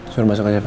suruh masuk aja pak